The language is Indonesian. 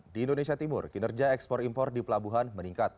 di indonesia timur kinerja ekspor impor di pelabuhan meningkat